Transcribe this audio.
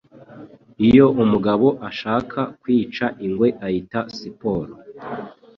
Iyo umugabo ashaka kwica ingwe ayita siporo;